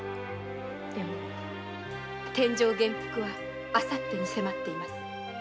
でも殿上元服はあさってに迫っています。